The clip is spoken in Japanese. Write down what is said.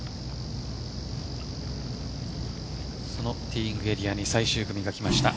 そのティーイングエリアに最終組が来ました。